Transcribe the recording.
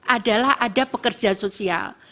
adalah ada pekerja sosial